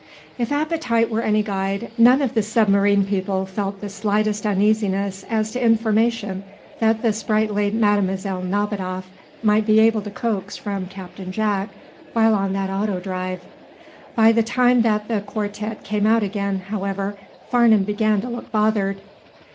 If appetite were any guide, none of the submarine people felt the slightest uneasiness as to information that the sprightly Mlle. Nadiboff might be able to coax from Captain Jack while on that auto drive. By the time that the quartette came out again, however, Farnum began to look bothered.